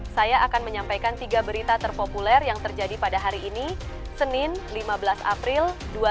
saya akan menyampaikan tiga berita terpopuler yang terjadi pada hari ini senin lima belas april dua ribu dua puluh